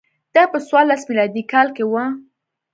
دا په څوارلس میلادي کال کې و